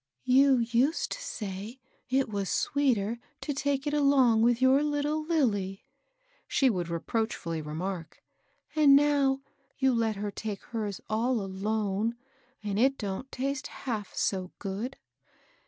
" You used to say it was sweeter to take it along with your little Lilly,'' she would reproachftdly re mark ;^^ and now you let her take hers all alone, and it don't taste half so good."